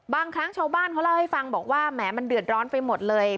บางครั้งชาวบ้านเขาเล่าให้ฟังบอกว่าแหมมันเดือดร้อนไปหมดเลย